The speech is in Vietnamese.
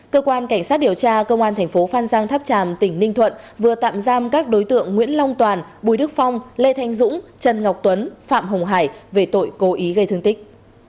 cơ quan cảnh sát điều tra công an thành phố phan giang tháp tràm tỉnh ninh thuận vừa tạm giam các đối tượng nguyễn long toàn bùi đức phong lê thanh dũng trần ngọc tuấn phạm hồng hải về tội cố ý gây thương tích